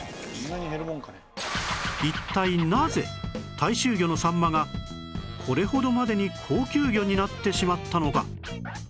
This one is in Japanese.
一体なぜ大衆魚のサンマがこれほどまでに高級魚になってしまったのか？